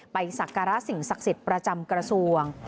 ไปศักรสินศักดิ์สิทธิ์ประจำกระทรวง